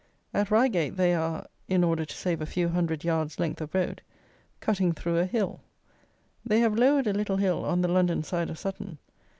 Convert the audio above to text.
At Reigate they are (in order to save a few hundred yards length of road) cutting through a hill. They have lowered a little hill on the London side of Sutton.